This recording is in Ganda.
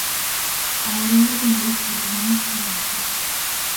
Alina amayitire namutya nze.